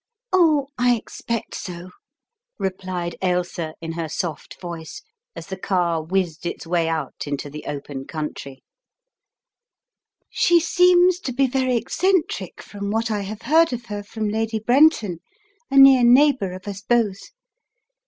"Oh, I expect so," replied Ailsa in her soft voice, as the car whizzed its way out into the open country. "She seems to be very eccentric from what I have heard of her from Lady Brenton, a near neighbour of us both.